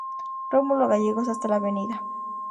Romulo Gallegos hasta la Av.